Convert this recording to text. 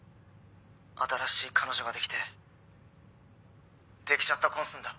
「新しい彼女ができてできちゃった婚すんだ」